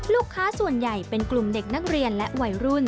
ลูกค้าส่วนใหญ่เป็นกลุ่มเด็กนักเรียนและวัยรุ่น